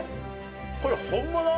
これ本物？